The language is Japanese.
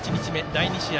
第２試合。